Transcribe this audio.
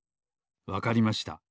わかりました。